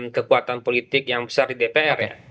dan kekuatan politik yang besar di dpr ya